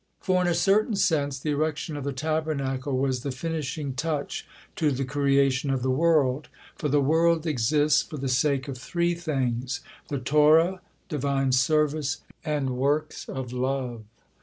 For, in a certain sense, the erection of the Tabernacle was the finishing touch to the creation of the world. For the world exists for the sake of three things, the Torah, Divine service, and works of love.